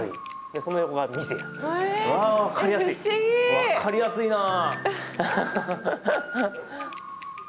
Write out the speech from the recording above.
分かりやすいなあ！